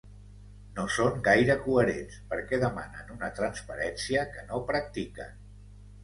No són gaire coherents, perquè demanen una transparència que no practiquen.